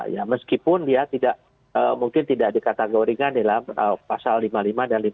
ya meskipun dia tidak mungkin tidak dikategorikan dalam pasal lima puluh lima dan lima puluh